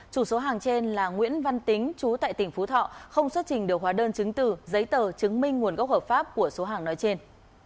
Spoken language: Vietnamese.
chủ số hàng trên là nguyễn văn tính chú tại tỉnh phú thọ không xuất trình được hóa đơn chứng từ giấy tờ chứng minh nguồn gốc hợp pháp của số hàng nói trên